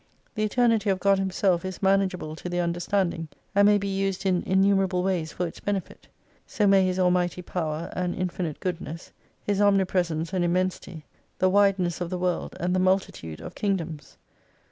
The eternity of God Himself is manageable to the understanding, and may be used in innumerable ways for its benefit ; so may His rlaiighty power, and infinite goodness, His omnipresence and immensity, the wideness of the world, and the multitude of Kingdoms.